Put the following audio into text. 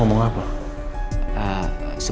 gak mau sama aku